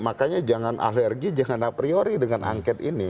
makanya jangan alergi jangan a priori dengan angket ini